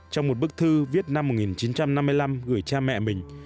trong một bức thư viết năm một nghìn chín trăm năm mươi năm gửi cha mẹ mình